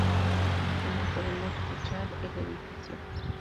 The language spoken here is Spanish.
Cómo podemos fechar el edificio?